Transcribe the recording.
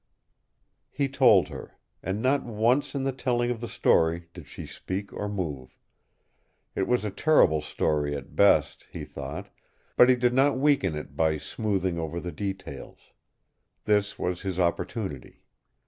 He told her. And not once in the telling of the story did she speak or move. It was a terrible story at best, he thought, but he did not weaken it by smoothing over the details. This was his opportunity.